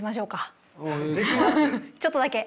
ちょっとだけ。